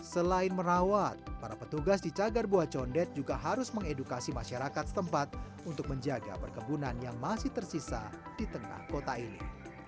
selain merawat para petugas di cagar buah condet juga harus mengedukasi masyarakat setempat untuk menjaga perkebunan yang masih tersisa di tengah kota ini